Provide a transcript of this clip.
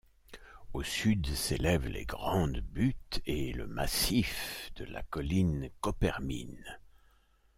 Au sud s'élèvent les Grandes Buttes et le massif de la colline Coppermine.